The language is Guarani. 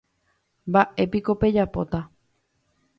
Mba'éiko pejapóta.